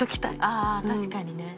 ああ確かにね。